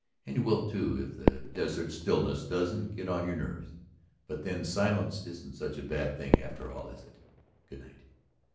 And you will, too, if the desert stillness doesn't get on your nerves. But then silence isn't such a bad thing after all, is it? Good night."